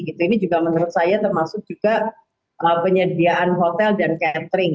ini juga menurut saya termasuk juga penyediaan hotel dan catering